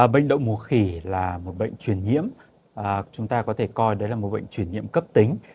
bệnh đậu mùa khỉ là một bệnh truyền nhiễm chúng ta có thể coi đấy là một bệnh truyền nhiễm cấp tính